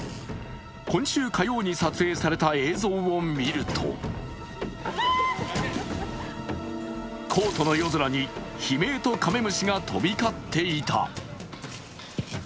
今週火曜に撮影された映像を見るとコートの夜空に悲鳴とカメムシが飛び交っていた。